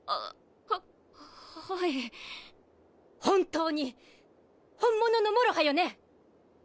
本当に本物のもろはよね？